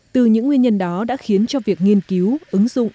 từ những nguyên nhân đó đã khiến cho việc nghiên cứu ứng dụng